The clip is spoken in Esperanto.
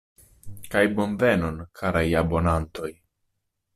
Kaj bonvenon, karaj abonantoj!!!